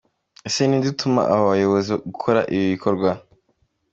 Ese ni inde utuma aba bayobozi gukora ibi bikorwa?